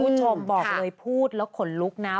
คุณผู้ชมบอกเลยพูดแล้วขนลุกนะ